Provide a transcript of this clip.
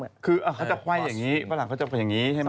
คือเขาจะขวายอย่างงี้